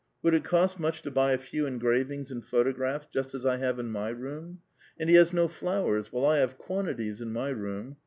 Would it cost much to l>uy a. few engravings and photographs just as I have in my room ? And he has no flowers, while 1 have quantities in wy room.